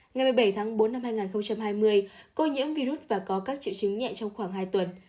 ngày một mươi bảy tháng bốn năm hai nghìn hai mươi cô nhiễm virus và có các triệu chứng nhẹ trong khoảng hai tuần